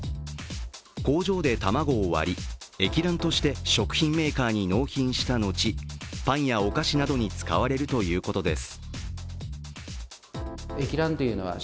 工場で卵を割り、液卵として食品メーカーに納品した後、パンやお菓子などに使われるということです。